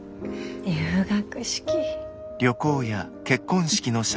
入学式。